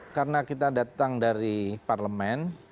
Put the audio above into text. karena kita datang dari parlemen